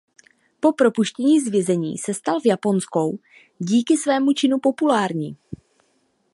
Po propuštění z vězení se stal v Japonskou díky svému činu populární.